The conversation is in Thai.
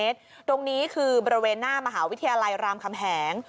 ตรงนี้คือบริเวณหน้ามหาวิทยาลัยรามคำแหง